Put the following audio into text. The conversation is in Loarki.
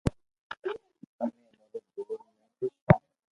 امي امري گور مي خوݾ ھون